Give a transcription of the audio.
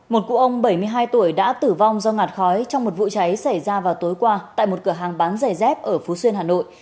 một cụ ông bảy mươi hai tuổi đã tử vong do ngạt khói trong một vụ cháy xảy ra vào tối qua tại một cửa hàng bán giày dép ở phú xuyên hà nội